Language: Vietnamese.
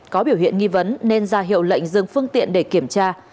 có biểu hiện nghi vấn nên ra hiệu lệnh dừng phương tiện để kiểm tra